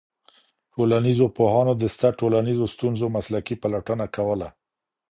ټولنيزو پوهانو د سته ټولنيزو ستونزو مسلکي پلټنه کوله.